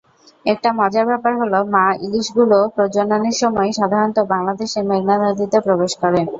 একটা মজার ব্যাপার হলো, মা–ইলিশগুলো প্রজননের সময় সাধারণত বাংলাদেশের মেঘনা নদীতে প্রবেশ করে।